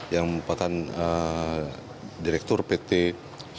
yang merupakan direktur pt